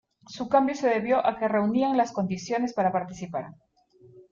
Su cambio se debió a que reunían las condiciones para participar.